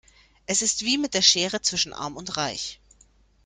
Es ist wie mit der Schere zwischen arm und reich.